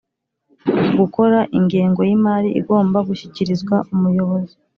Gukora ingengo y imari igomba gushyikirizwa umuyobozi